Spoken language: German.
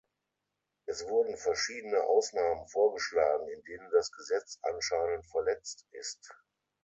Es wurden verschiedene Ausnahmen vorgeschlagen, in denen das Gesetz anscheinend verletzt ist.